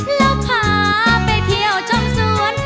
แล้วพาไปที่เที่ยวจ้องสวน